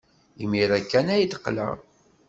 Imir-a kan ay d-qqleɣ.